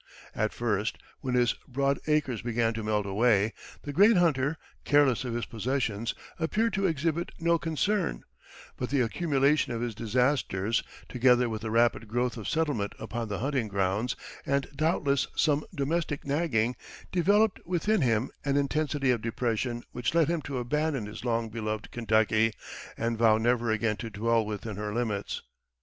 At first, when his broad acres began to melt away, the great hunter, careless of his possessions, appeared to exhibit no concern; but the accumulation of his disasters, together with the rapid growth of settlement upon the hunting grounds, and doubtless some domestic nagging, developed within him an intensity of depression which led him to abandon his long beloved Kentucky and vow never again to dwell within her limits.